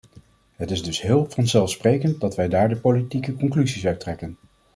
Het is dus heel vanzelfsprekend dat wij daar de politieke conclusies uit trekken.